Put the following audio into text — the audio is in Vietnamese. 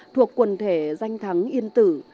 thuộc quần thể danh tháng yên tử